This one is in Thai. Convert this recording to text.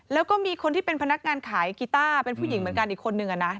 แล้วก็มีคนที่เป็นพนักงานขายกีต้าเป็นผู้หญิงเหมือนกันอีกคนนึง